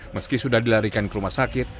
meski sudah dilarikan ke rumah sakit